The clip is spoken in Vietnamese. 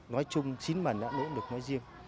nói chung chính mình đã nỗ lực nói riêng